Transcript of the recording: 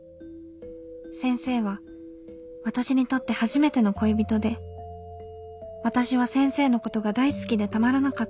先生は私にとって初めての恋人で私は先生のことが大好きでたまらなかった。